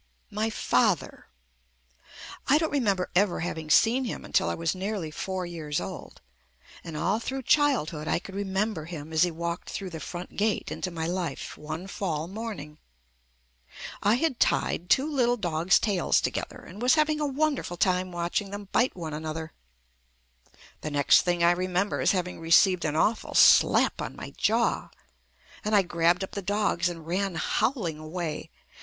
My father! I don't remember ever having seen him until I was nearly four years old, and all through childhood I could remember him as he walked through the front gate into my life, one fall morning. I had tied two little dogs' fl9] JUST ME tails together and was having a wonderful time watching them bite one another. The next thing I remember is having received an awful slap on my jaw, and I grabbed up the dogs and ran howling away.